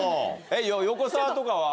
横澤とかは？